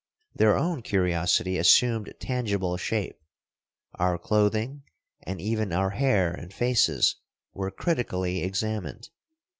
Their own curiosity assumed tangible shape. Our clothing, and even our hair and faces, were critically examined.